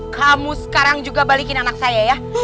kamu sekarang juga balikin anak saya ya